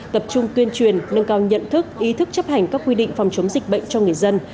tập trung tuyên truyền nâng cao nhận thức ý thức chấp hành các quy định phòng chống dịch bệnh cho người dân